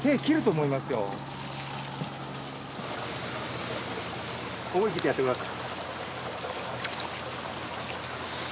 思いきってやってください。